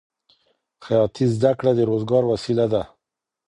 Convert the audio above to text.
خیاطۍ زده کړه د روزګار وسیله ده.